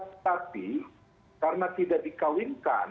karena tidak dikawinkan atau tidak dikawinkan